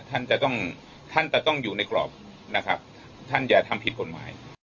ท่านจะต้องท่านจะต้องอยู่ในกรอบนะครับท่านอย่าทำผิดกฎหมาย